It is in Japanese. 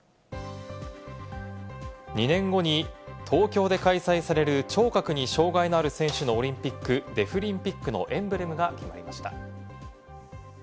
２年後に東京で開催される、聴覚に障害のある選手のオリンピック・デフリンピックのエンブレムが決まりました。